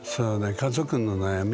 家族の悩み？